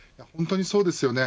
本当にそうですよね。